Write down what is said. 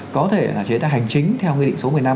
có thể là chế tài hành chính theo nghị định số một mươi năm